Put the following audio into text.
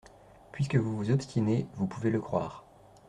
Puisque vous vous obstinez, vous pouvez le croire…